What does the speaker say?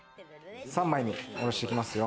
３枚におろしていきますよ。